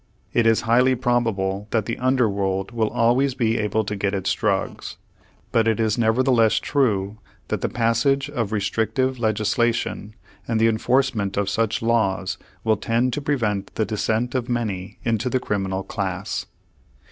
It is highly probable that the under world will always be able to get its drugs; but it is nevertheless true that the passage of restrictive legislation and the enforcement of such laws will tend to prevent the descent of many into the criminal class.